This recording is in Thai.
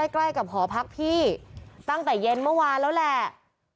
ใกล้กับหอพักพี่ตั้งแต่เย็นเมื่อวานแล้วแหละ